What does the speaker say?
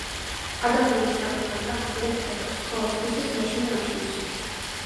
ადამიანი საკუთარ ნაკლს ვერ ხედავს, ხოლო სხვისას მაშინვე ამჩნევს